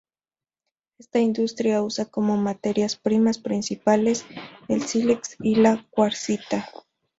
Esta industria usa como materias primas principales el sílex y la cuarcita.